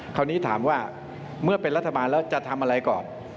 คราวนี้ถามว่าเมื่อเป็นรัฐบาลแล้วจะทำอะไรก่อน